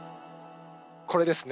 これですね。